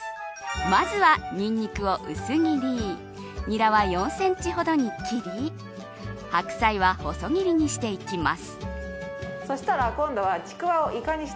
まずは、ニンニクを薄切りニラは４センチほどに切り白菜は細切りにしていきます。